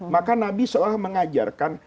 maka nabi seolah mengajarkan